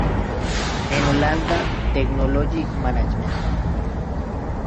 En Holanda, "Technology Management".